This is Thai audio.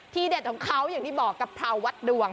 เด็ดของเขาอย่างที่บอกกะเพราวัดดวง